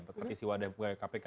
petisi wadah kpuk kpk